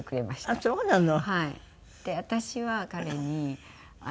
あっそうなの。